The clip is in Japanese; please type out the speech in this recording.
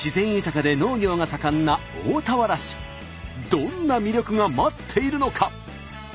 どんな魅力が待っているのか？